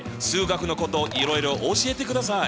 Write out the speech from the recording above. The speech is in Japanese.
数学のこといろいろ教えてください。